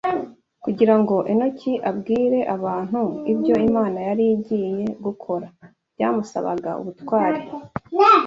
kugira ngo Henoki abwire abantu ibyo Imana yari igiye gukora, byamusabaga ubutwari